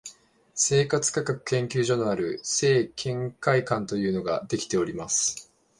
生活科学研究所のある生研会館というのができております